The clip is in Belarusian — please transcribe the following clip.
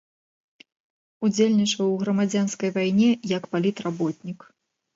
Удзельнічаў у грамадзянскай вайне як палітработнік.